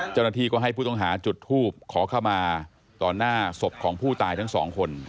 เจ้าหน้าที่ก็ให้ผู้ต้องหาจุดทูบขอเข้ามาต่อหน้าศพของผู้ตายทั้งสองคน